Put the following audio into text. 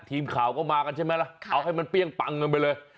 ทีมข่าวก็มากันใช่ไหมล่ะเอาให้มันเปรี้ยงปังกันไปเลย